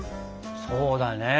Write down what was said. そうだね。